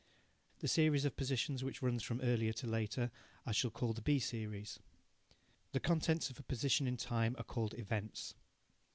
The series of positions which runs from earlier to later I shall call the B series. The contents of a position in time are called events.